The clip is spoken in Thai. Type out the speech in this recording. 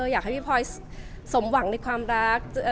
อยากให้พี่พลอยสมหวังในความรัก